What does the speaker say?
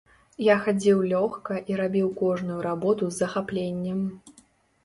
Я хадзіў лёгка і рабіў кожную работу з захапленнем.